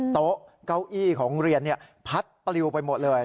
โต๊ะเก้าอี้ของโรงเรียนพัดปลิวไปหมดเลย